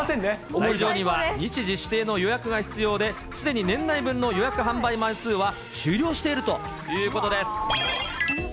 日時指定の予約が必要で、すでに年内分の予約販売枚数は終了しているということです。